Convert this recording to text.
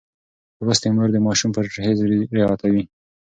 لوستې مور د ماشوم پرهېز رعایتوي.